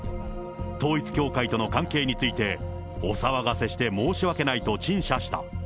統一教会との関係について、お騒がせして申し訳ないと陳謝した。